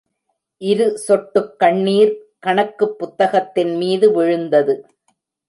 இரு சொட்டுக் கண்ணீர் கணக்குப் புத்தகத்தின் மீது விழுந்தது.